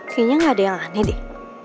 kayaknya gak ada yang aneh deh